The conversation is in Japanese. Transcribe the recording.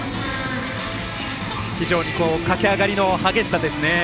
非常に駆け上がりの激しさですね。